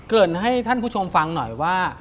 ริ่นให้ท่านผู้ชมฟังหน่อยว่า